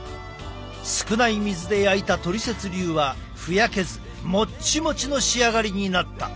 少ない水で焼いたトリセツ流はふやけずもっちもちの仕上がりになった。